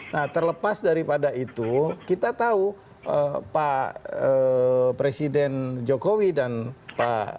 nah terlepas daripada itu kita tahu pak presiden jokowi dan pak